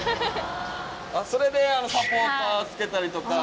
それであのサポーター着けたりとか。